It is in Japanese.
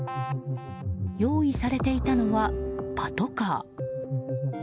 用意されていたのはパトカー。